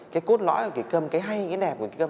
cái cốt lõi của kịch câm cái hay cái đẹp của kịch câm